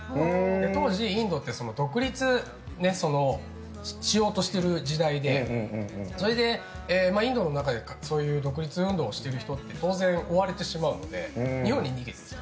当時、インドって独立しようとしている時代でそれで、インドの中で独立運動をしている人って当然、追われてしまうので日本に逃げてきた。